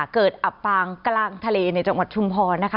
อับปางกลางทะเลในจังหวัดชุมพรนะคะ